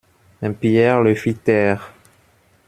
Mais Pierre le fit taire.